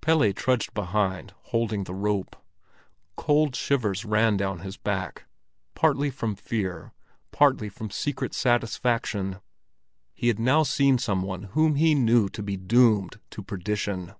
Pelle trudged behind, holding the rope. Cold shivers ran down his back, partly from fear, partly from secret satisfaction. He had now seen some one whom he knew to be doomed to perdition!